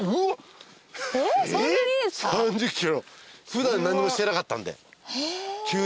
普段何にもしてなかったんで。